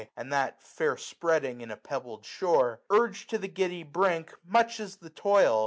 And that fair aipreading in a pebbled shore. 375 Urg'4 to the giddy brink, much is the toil.